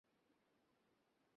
সে মাতাল ছিল।